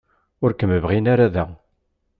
Ur kem-bɣin ara da.